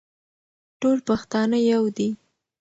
ټول پښتانه يو دي.